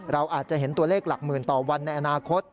เราอาจจะเห็นตัวเลขหลักหมื่นต่อวันในอนาคต